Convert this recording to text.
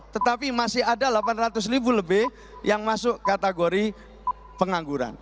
tetapi masih ada delapan ratus ribu lebih yang masuk kategori pengangguran